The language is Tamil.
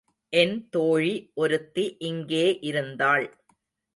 என் தோழி ஒருத்தி இங்கே இருந்தாள்.